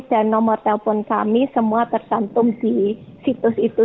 dan nomor telepon kami semua tersantum di situs itu